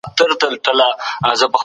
پښتون به مخته ځي